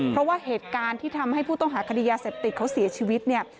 เพราะว่าเหตุการณ์ที่ทำให้ผู้ต้องหาคดียาเสพติดเขาเสียชีวิตเนี่ย